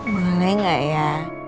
boleh gak ya